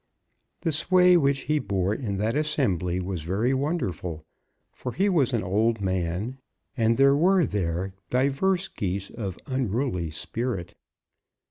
The sway which he bore in that assembly was very wonderful, for he was an old man, and there were there divers Geese of unruly spirit.